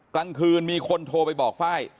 กลางคืนมีคนโทรไปบอกไฟล์